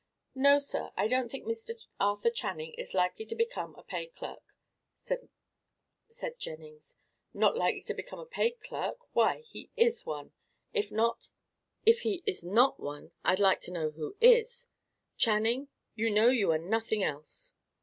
"No, sir, I don't think Mr. Arthur Channing is likely to become a paid clerk," said Jenkins. "Not likely to become a paid clerk! why, he is one. If he is not one, I'd like to know who is. Channing, you know you are nothing else."